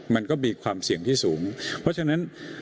มันก็มีความเสี่ยงที่สูงเพราะฉะนั้น